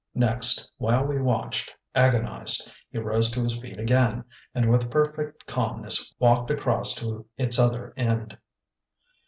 Next, while we watched, agonized, he rose to his feet again, and with perfect calmness walked across to its other end.